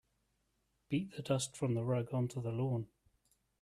Beat the dust from the rug onto the lawn.